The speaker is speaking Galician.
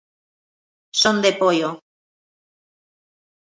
Son de Poio.